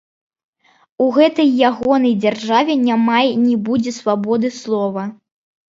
У гэтай ягонай дзяржаве няма й не будзе свабоды слова.